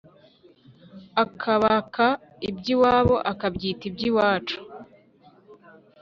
Akabaka iby’iwabo Akabyita iby’iwacu.